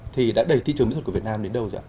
thì đã đẩy thị trường mỹ thuật của việt nam đến đâu rồi ạ